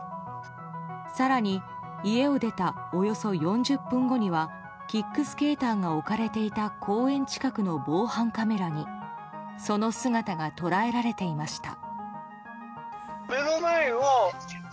更に、家を出たおよそ４０分後にはキックスケーターが置かれていた公園近くの防犯カメラにその姿が捉えられていました。